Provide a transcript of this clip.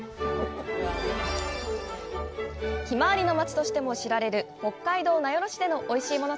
ひまわりの町としても知られる北海道名寄市でのおいしいもの